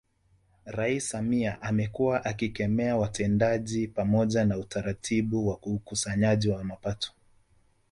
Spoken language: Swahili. Rais Samia amekuwa akikemea watendaji pamoja na utaratibu wa ukusanyaji wa mapato